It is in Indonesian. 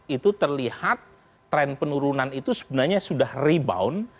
itu terlihat tren penurunan itu sebenarnya sudah rebound